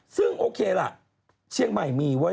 ซึ่งโอเคล่ะเชียงใหม่มีไว้